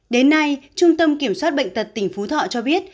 đến nay trung tâm kiểm soát bệnh tật tỉnh phú thọ cho biết